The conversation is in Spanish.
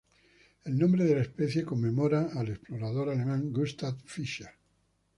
El nombre de la especie conmemora al explorador alemán Gustav Fischer.